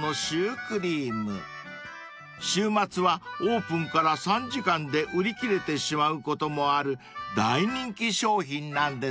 ［週末はオープンから３時間で売り切れてしまうこともある大人気商品なんですって］